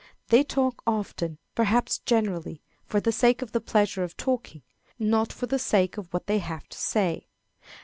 They talk often, perhaps generally, for the sake of the pleasure of talking, not for the sake of what they have to say.